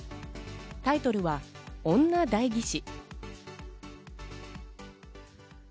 タイトルは「女代議士」。